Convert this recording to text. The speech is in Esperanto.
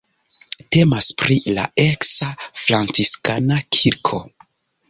Temas pri la eksa franciskana kirko.